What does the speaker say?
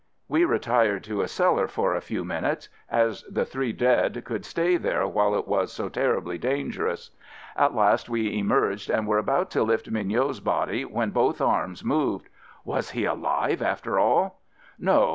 We retired to a cellar for a few minutes, as the three dead could stay there while it was so ter ribly dangerous. At last we emerged and were about to lift Mignot's body when both arms moved. Was he alive, after all? No!